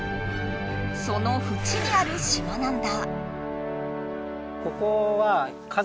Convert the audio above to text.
そのふちにある島なんだ。